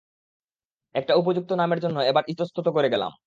একটা উপযুক্ত নামের জন্যে এবার ইতস্তত করতে লাগলাম।